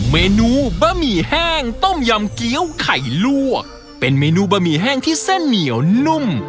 เมนูบะหมี่แห้งต้มยำเกี้ยวไข่ลวกเป็นเมนูบะหมี่แห้งที่เส้นเหนียวนุ่ม